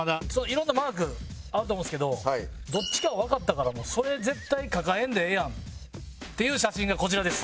いろんなマークあると思うんですけどどっちかはわかったからそれ絶対抱えんでええやんっていう写真がこちらです。